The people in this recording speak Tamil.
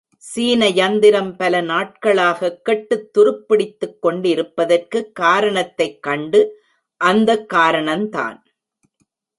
சீன யந்திரம் பல நாட்களாகக் கெட்டுத் துருப்பிடித்துக் கொண்டிருப்பதற்குக் காரணத்தைக் கண்டு, அந்த காரணந்தான்.